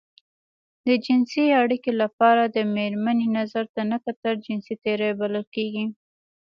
د جنسي اړيکې لپاره د مېرمنې نظر ته نه کتل جنسي تېری بلل کېږي.